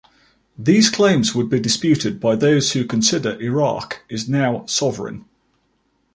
These claims would be disputed by those who consider Iraq is now sovereign.